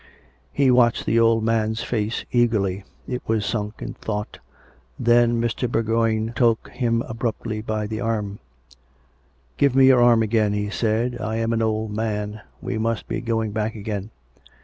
He watched the old man's face eagerly. It was sunk in thought. ... Then Mr. Bour goign took him abruptly by the arm. " Give me your arm again," he said, " I am an old man. We must be going back again.